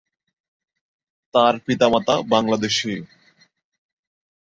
তার পিতামাতা বাংলাদেশি।